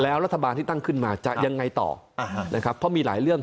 แล้วรัฐบาลที่ตั้งขึ้นมาจะยังไงต่อนะครับเพราะมีหลายเรื่อง